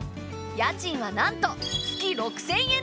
家賃はなんと月６，０００円